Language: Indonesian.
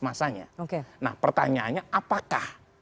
masanya nah pertanyaannya apakah